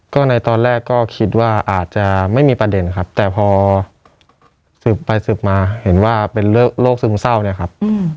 ก็ในตอนแรกก็คิดว่าอาจจะไม่มีประเด็นครับแต่พอสืบไปสืบมาเห็นว่าเป็นโรคซึมเศร้าเนี่ยครับ